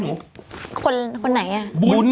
น้องบู๊น